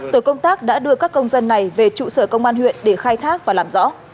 tổ công tác đã đưa các công dân này về trụ sở công an huyện để khai thác và làm rõ